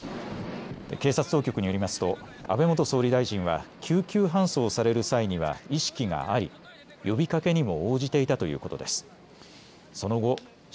警察当局によりますと安倍元総理大臣は救急搬送される際には意識があり呼びかけにも応じていたということです。